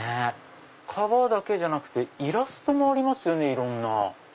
革だけじゃなくてイラストもありますよねいろんな。